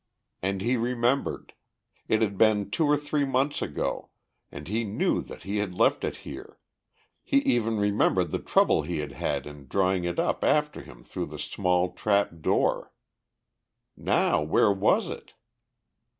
And he remembered. It had been two or three months ago, and he knew that he had left it here, he even remembered the trouble he had had in drawing it up after him through the small trap door. Now where was it?